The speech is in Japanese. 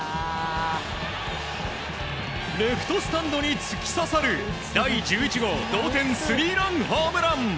レフトスタンドに突き刺さる第１１号同点スリーランホームラン。